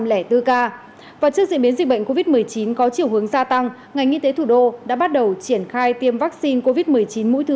trước diễn biến dịch bệnh covid một mươi chín có chiều hướng gia tăng ngành y tế thủ đô đã bắt đầu triển khai tiêm vaccine covid một mươi chín mũi thứ ba